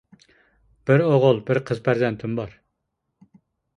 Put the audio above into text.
بىر ئوغۇل، بىر قىز پەرزەنتىم بار.